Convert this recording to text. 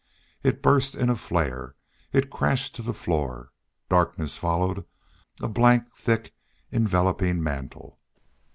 It burst in a flare. It crashed to the floor. Darkness followed a blank, thick, enveloping mantle.